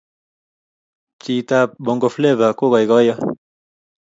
cheet ap bongo flava kokaikaiyo